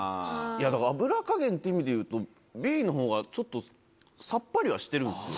脂加減っていう意味でいうとＢのほうがちょっとさっぱりはしてるんですよ。